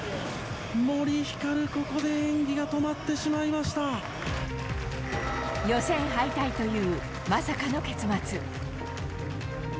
森ひかる、ここで演技が止ま予選敗退という、まさかの結末。